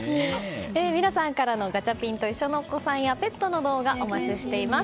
皆さんからのガチャピンといっしょ！のお子さんやペットの動画、お待ちしています。